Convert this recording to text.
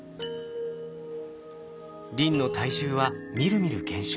リンの体重はみるみる減少。